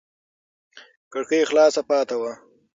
کړکۍ خلاصه پاتې وه.